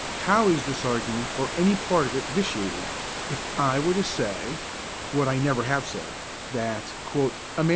How is this argument or any part of it vitiated, if I were to say (what I never have said), that 'a MS.